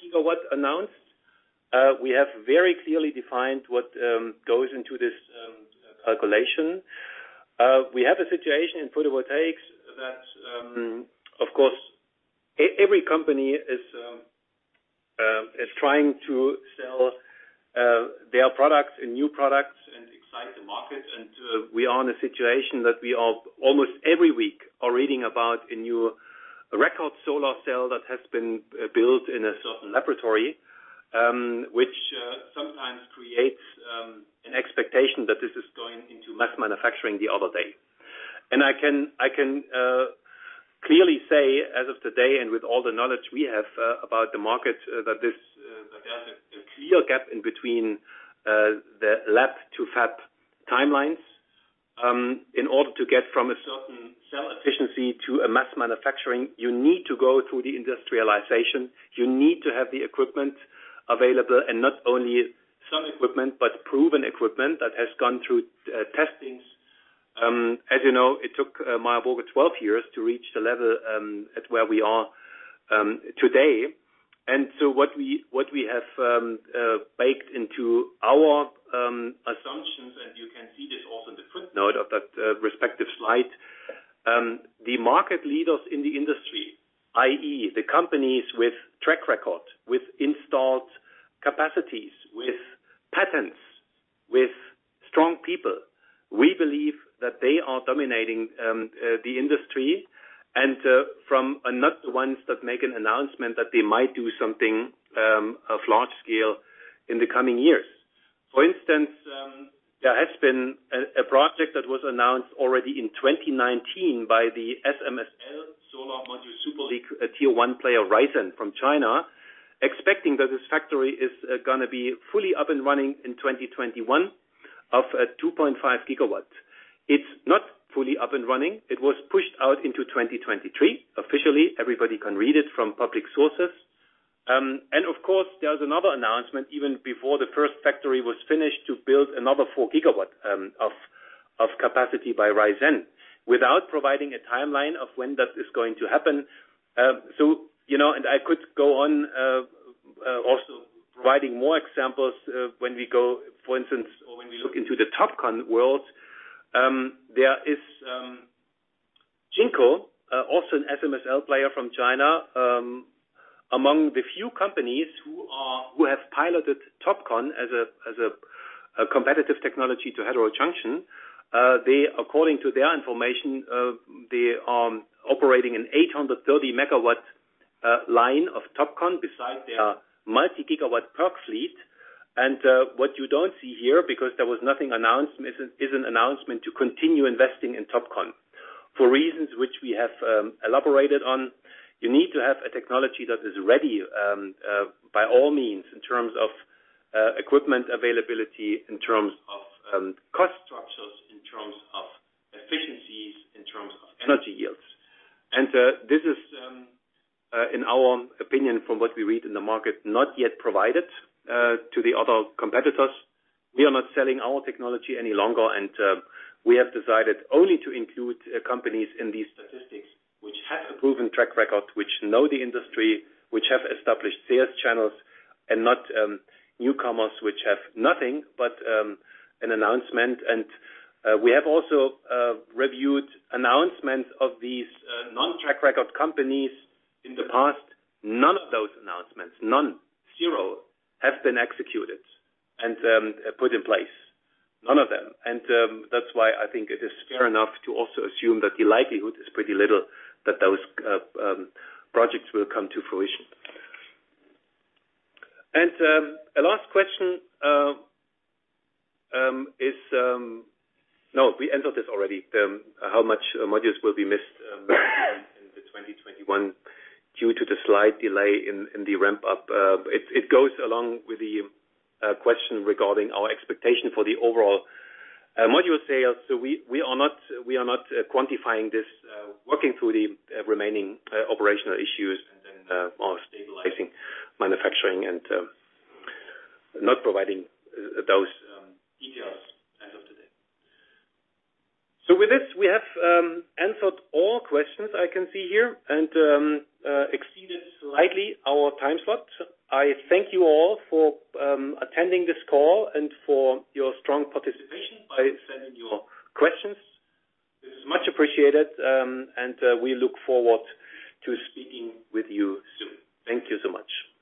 GW announced. We have very clearly defined what goes into this calculation. We have a situation in photovoltaics that, of course, every company is trying to sell their products and new products and excite the market. We are in a situation that we are almost every week reading about a new record solar cell that has been built in a certain laboratory, which sometimes creates an expectation that this is going into mass manufacturing the other day. I can clearly say as of today and with all the knowledge we have about the market, that there is a clear gap in between the lab to fab timelines. In order to get from a certain cell efficiency to a mass manufacturing, you need to go through the industrialization. You need to have the equipment available, and not only some equipment, but proven equipment that has gone through testings. As you know, it took Meyer Burger 12 years to reach the level at where we are today. What we have baked into our assumptions, and you can see this also in the footnote of that respective slide. The market leaders in the industry, i.e., the companies with track record, with installed capacities, with patents, with strong people, we believe that they are dominating the industry, and are not the ones that make an announcement that they might do something of large scale in the coming years. For instance, there has been a project that was announced already in 2019 by the SMSL, Solar Module Super League, a tier one player, Risen from China, expecting that this factory is going to be fully up and running in 2021 of 2.5 GW. It's not fully up and running. It was pushed out into 2023 officially. Everybody can read it from public sources. Of course, there is another announcement, even before the first factory was finished, to build another 4 GW of capacity by Risen, without providing a timeline of when that is going to happen. I could go on also providing more examples when we go, for instance, or when we look into the TOPCon world. There is JinkoSolar, also an SMSL player from China, among the few companies who have piloted TOPCon as a competitive technology to heterojunction. According to their information, they are operating an 830 megawatt line of TOPCon beside their multi-gigawatt PERC fleet. What you don't see here, because there was nothing announced, is an announcement to continue investing in TOPCon. For reasons which we have elaborated on, you need to have a technology that is ready, by all means, in terms of equipment availability, in terms of cost structures, in terms of efficiencies, in terms of energy yields. This is, in our opinion, from what we read in the market, not yet provided to the other competitors. We are not selling our technology any longer, and we have decided only to include companies in these statistics which have a proven track record, which know the industry, which have established sales channels, and not newcomers which have nothing but an announcement. We have also reviewed announcements of these non-track record companies in the past. None of those announcements, none, zero, have been executed and put in place. None of them. That's why I think it is fair enough to also assume that the likelihood is pretty little that those projects will come to fruition. A last question no, we answered this already. How much modules will be missed in the 2021 due to the slight delay in the ramp up? It goes along with the question regarding our expectation for the overall module sales. We are not quantifying this, working through the remaining operational issues and then more stabilizing manufacturing and not providing those details as of today. With this, we have answered all questions I can see here and exceeded slightly our time slot. I thank you all for attending this call and for your strong participation by sending your questions. It is much appreciated, and we look forward to speaking with you soon. Thank you so much.